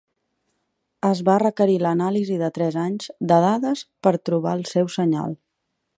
Es va requerir l'anàlisi de tres anys de dades per trobar el seu senyal.